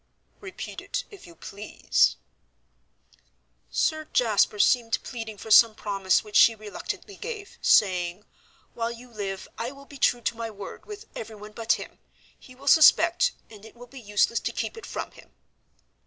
"Repeat it, if you please." "Sir Jasper seemed pleading for some promise which she reluctantly gave, saying, 'While you live I will be true to my word with everyone but him. He will suspect, and it will be useless to keep it from him.'